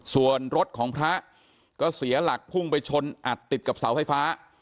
ส่วนรถของพระก็เสียหลักพุ่งไปชนอัดติดกับเสาไฟฟ้า